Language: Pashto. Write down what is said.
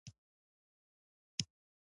مادر تریسیا وایي په مینه واړه کارونه وکړئ.